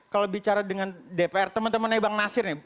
kalau bicara dengan dpr teman temannya bang nasir nih